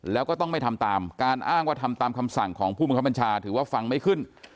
แล้วก็ต้องไม่ทำตามการอ้างว่าทำตามคำสั่งของผู้บังคับบัญชาถือว่าฟังไม่ขึ้น